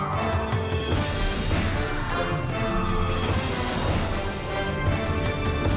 โปรดติดตามตอนต่อไป